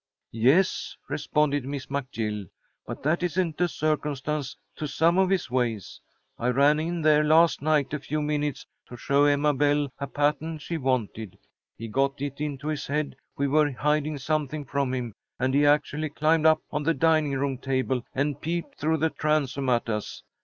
"Yes," responded Miss McGill, "but that isn't a circumstance to some of his ways. I ran in there last night a few minutes, to show Emma Belle a pattern she wanted. He got it into his head we were hiding something from him, and he actually climbed up on the dining room table and peeped through the transom at us.